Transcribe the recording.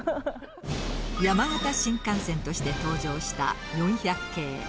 山形新幹線として登場した４００系。